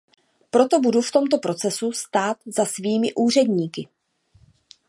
Proto budu v tomto procesu stát za svými úředníky.